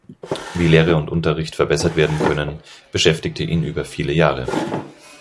Wie Lehre und Unterricht verbessert werden können, beschäftigte ihn über viele Jahre.